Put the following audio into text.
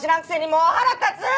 もう腹立つ！